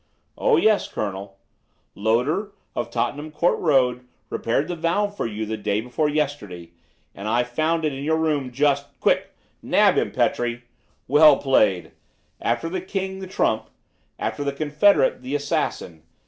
"Oh, yes, Colonel. Loader, of Tottenham Court Road, repaired the valve for you the day before yesterday, and I found it in your room just Quick! nab him, Petrie! Well played! After the king, the trump; after the confederate, the assassin!